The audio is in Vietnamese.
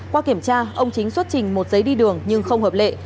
qua kiểm tra ông chính xuất trình một giấy đi đường nhưng không hợp lệ